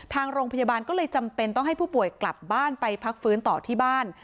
ทางโรงพยาบาลก็เลยจำเป็นต้องให้ผู้ป่วยกลับบ้านไปพักฟื้นต่อที่บ้าน